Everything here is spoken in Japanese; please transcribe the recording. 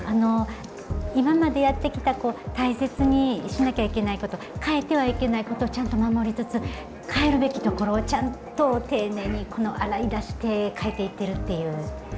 今までやってきた大切にしなきゃいけないこと変えてはいけないことをちゃんと守りつつ変えるべきところをちゃんと丁寧に洗い出して変えていくという。